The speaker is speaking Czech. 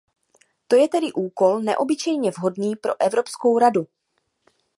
To je tedy úkol neobyčejně vhodný pro Evropskou radu.